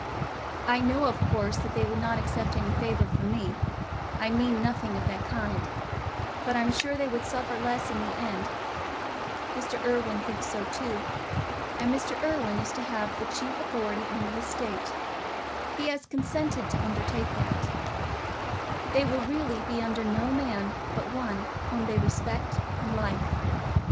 I know, of course, that they would not accept any favour from me—I mean nothing of that kind—but I'm sure they would suffer less in the end. Irwine thinks so too. And Mr. Irwine is to have the chief authority on the estate—he has consented to undertake that. They will really be under no man but one whom they respect and like.